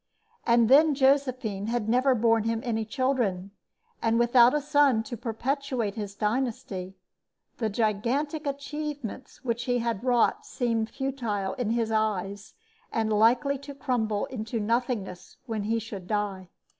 And then Josephine had never borne him any children; and without a son to perpetuate his dynasty, the gigantic achievements which he had wrought seemed futile in his eyes, and likely to crumble into nothingness when he should die.